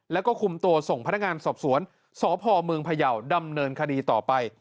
แล้วก็คุมตัวส่งพนักงานสอบสวนสพเมืองพยาวดำเนินคดีต่อไป